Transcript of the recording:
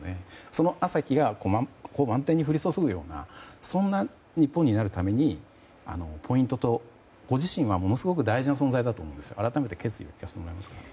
その朝日が満天に降り注ぐようなそんな日本になるためにポイントとご自身はものすごく大事な存在だと思うんですが改めて決意を聞かせてもらえますか？